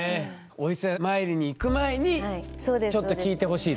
お伊勢参りに行く前にちょっと聞いてほしいと。